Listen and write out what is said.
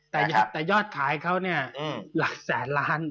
แต่ยอดขายเขาเนี่ยหลักแสนล้าน